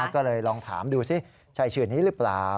ก็เลยลองถามดูสิใช่ชื่อนี้หรือเปล่า